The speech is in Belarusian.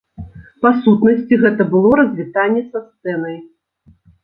Па сутнасці, гэта было развітанне са сцэнай.